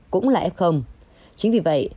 cũng là f chính vì vậy